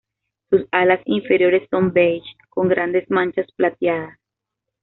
Sus alas inferiores son beige, con grandes manchas plateadas.